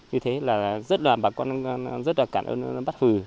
như thế là rất là bà con rất là cảm ơn bác hồ